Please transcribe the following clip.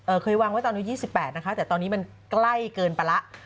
เอ่อเคยวางไว้ตอนนี้๒๘นะคะแต่ตอนนี้มันใกล้เกินไปแล้ว